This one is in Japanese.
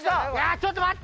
ちょっと待って。